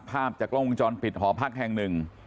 ภาพจากกล้องวงจรปิดหอพักแห่งหนึ่ง